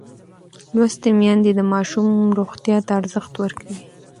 لوستې میندې د ماشوم روغتیا ته ارزښت ورکوي.